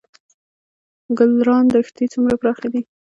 ګلران دښتې څومره پراخې دي؟